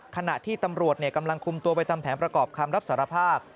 ขณะที่ตำรวจกำลังคุมตัวไปทำแผนประกอบคำรับสารภาพ